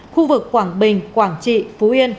khu vực quảng bình quảng trị phú yên